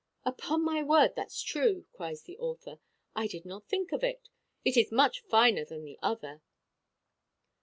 "Upon my word that's true," cries the author; "I did not think of it. It is much finer than the other.